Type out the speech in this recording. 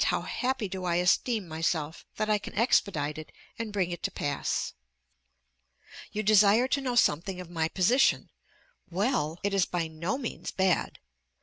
how happy do I esteem myself that I can expedite it and bring it to pass! You desire to know something of my position: well! it is by no means bad.